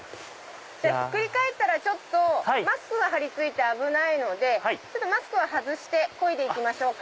ひっくり返ったらマスクが張り付いて危ないのでマスクを外してこぎましょうか。